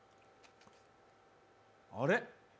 あれ？